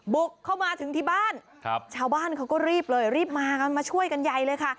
บุกเข้ามาถึงที่บ้านชาวบ้านเขาก็รีบเลยรีบมากันมาช่วยกันใหญ่เลยค่ะ